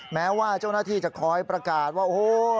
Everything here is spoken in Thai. แม้ว่าเจ้าหน้าที่จะคอยประกาศว่าโอ้โห